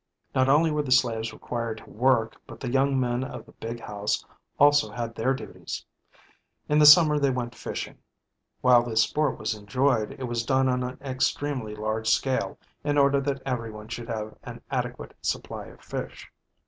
Not only were the slaves required to work but the young men of the "big house" also had their duties. In the summer they went fishing. While this sport was enjoyed, it was done on an extremely large scale in order that everyone should have an adequate supply of fish.